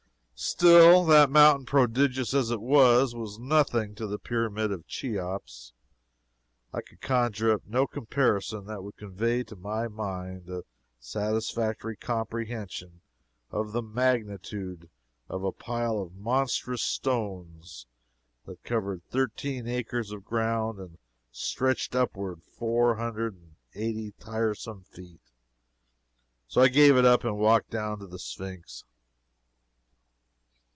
Still, that mountain, prodigious as it was, was nothing to the Pyramid of Cheops. I could conjure up no comparison that would convey to my mind a satisfactory comprehension of the magnitude of a pile of monstrous stones that covered thirteen acres of ground and stretched upward four hundred and eighty tiresome feet, and so I gave it up and walked down to the Sphynx.